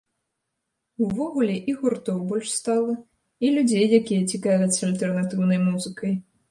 Увогуле і гуртоў больш стала, і людзей, якія цікавяцца альтэрнатыўнай музыкай.